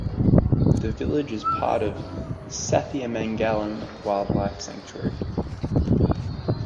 The village is part of Sathyamangalam Wildlife Sanctuary.